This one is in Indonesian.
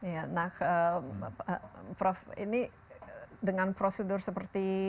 ya nah prof ini dengan prosedur seperti